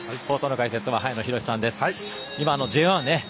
解説は早野宏史さんです。